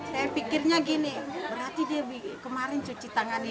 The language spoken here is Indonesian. saya pikirnya gini berarti dia kemarin cuci tangan